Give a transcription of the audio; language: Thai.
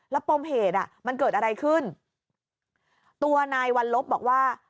แล้วปมเหตุอ่ะมันเกิดอะไรขึ้นตัวนายวัลลบบอกว่า